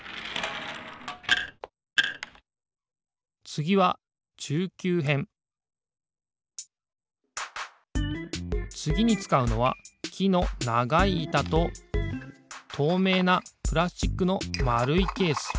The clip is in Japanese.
つぎはつぎにつかうのはきのながいいたととうめいなプラスチックのまるいケース。